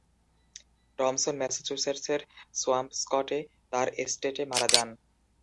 Thomson ম্যাসাচুসেটসের সোয়াম্পস্কটে তাঁর এস্টেটে মারা যান।